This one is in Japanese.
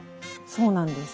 そうなんです。